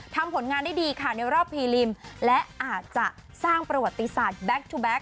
ทำผลงานได้ดีค่ะในรอบพีริมและอาจจะสร้างประวัติศาสตร์แบ็คชูแบ็ค